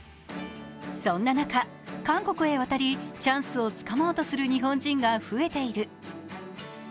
そんな中、韓国へ渡り、チャンスをつかもうとする日本人が増えている。